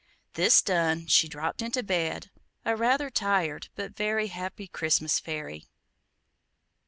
This done, she dropped into bed, a rather tired, but very happy Christmas fairy.